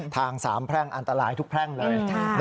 ทางสามแพร่งอันตรายทุกแพร่งเลย